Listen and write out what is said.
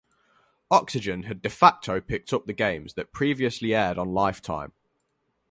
Oxygen had de facto picked up the games that previously aired on Lifetime.